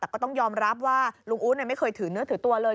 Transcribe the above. แต่ก็ต้องยอมรับว่าลุงอู๊ดไม่เคยถือเนื้อถือตัวเลย